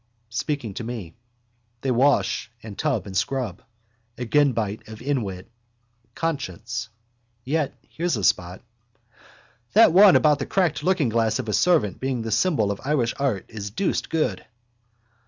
Speaking to me. They wash and tub and scrub. Agenbite of inwit. Conscience. Yet here's a spot. —That one about the cracked lookingglass of a servant being the symbol of Irish art is deuced good.